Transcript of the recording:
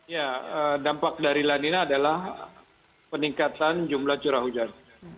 ya dampak dari lanina adalah peningkatan jumlah curah hujan